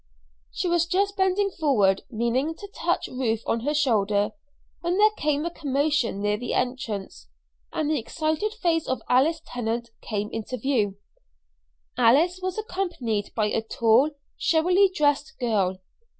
She was just bending forward, meaning to touch Ruth on her shoulder, when there came a commotion near the entrance, and the excited face of Alice Tennant came into view. Alice was accompanied by a tall, showily dressed girl.